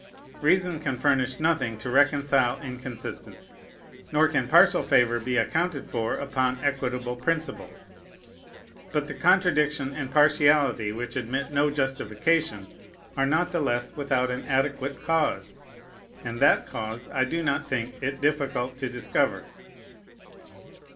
Reason can furnish nothing to reconcile inconsistency; nor can partial favor be accounted for upon equitable principles. But the contradiction and partiality which admit no justification are not the less without an adequate cause; and that cause I do not think it difficult to discover.